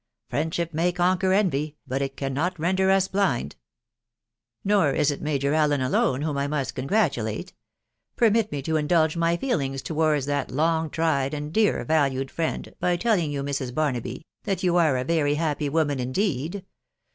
Friendship may conquer envy, but it cannot render us blind !.... Nor is it Major Allen alone whom I must congratulate; •.. permit me to indulge my feelings towards that long tried jid dearly valued friend, by telling you, Mrs. Barnaby, that you are a very happy woman indeed